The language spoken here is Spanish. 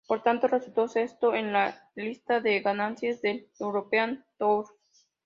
Por tanto, resultó sexto en la lista de ganancias del European Tour.